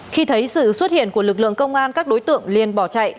khi thấy sự xuất hiện của lực lượng công an các đối tượng liên bỏ chạy